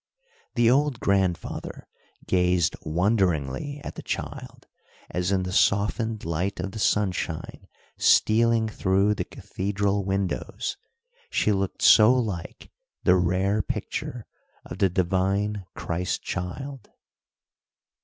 The old grandfather gazed wonderingly at the child, as in the softened light of the sunshine stealing through the cathedral windows she looked so like the rare picture of the divine Christ child.